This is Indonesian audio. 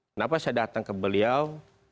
kenapa saya datang ke beliau